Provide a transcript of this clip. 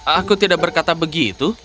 aku tidak berkata begitu